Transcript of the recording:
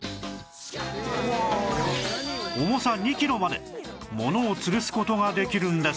重さ２キロまでものを吊るす事ができるんです